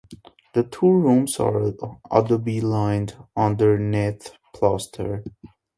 The two rooms are adobe lined underneath plaster.